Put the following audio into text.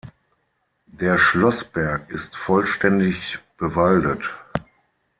Der Schlossberg ist vollständig bewaldet.